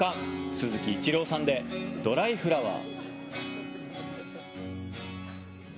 鈴木一郎さんで「ドライフラワー」。